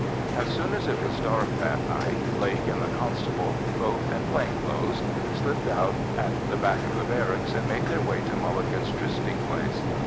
As soon as it was dark that night Blake and the constable, both in plain clothes, slipped out at the back of the barracks and made their way to Mulligan's trysting place.